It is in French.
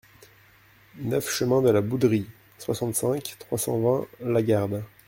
neuf chemin de la Bouderie, soixante-cinq, trois cent vingt, Lagarde